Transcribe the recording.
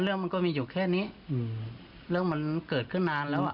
เรื่องมันก็มีอยู่แค่นี้เรื่องมันเกิดขึ้นนานแล้ว